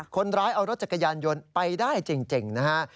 คนร้ายเอารถจักรยานยนต์ไปได้จริงนะฮะ